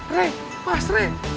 reh mas reh